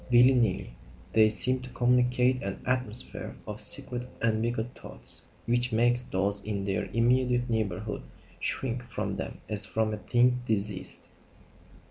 Willy nilly, they seem to communicate an atmosphere of secret and wicked thoughts which makes those in their immediate neighbourhood shrink from them as from a thing diseased.